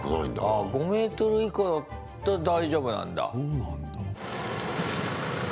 あっ、５ｍ以下だったら大丈夫なんだ。